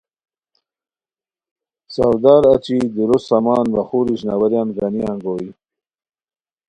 سوداری اچی دُورو سامان وا خور اشناواریان گانی انگوئے